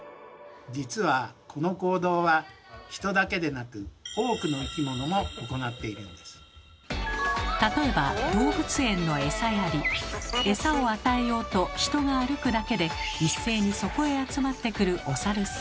実はこの行動は人だけでなく例えばエサを与えようと人が歩くだけで一斉にそこへ集まってくるお猿さん。